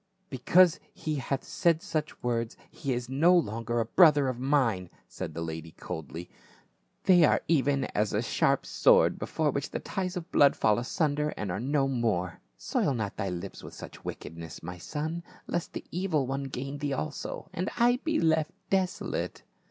" Because he hath said such words he is no longer 888 PA UL. brother of mine," said the lady coldly; "they are even as a sharp sword before which the ties of blood fall asunder and are no more. Soil not thy lips with such wickedness, my son, lest the evil one gain thee also, and I be left desolate."